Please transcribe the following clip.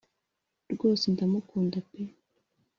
rwose ndamukunda pe